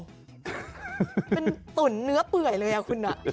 เป็นตุ๋นเนื้อเปื่อยเลยคุณ